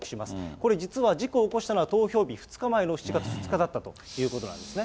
これ、実は事故を起こしたのは投票日２日前の７月２日だったということなんですね。